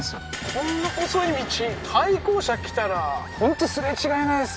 こんな細い道対向車来たら本当すれ違えないです